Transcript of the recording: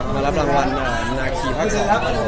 มารับรางวัลนาขีภาคศัพท์